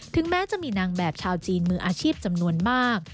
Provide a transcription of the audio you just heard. แม้จะมีนางแบบชาวจีนมืออาชีพจำนวนมาก